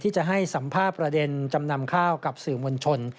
จะให้สัมภาษณ์ประเด็นจำนำข้าวกับสื่อมวลชน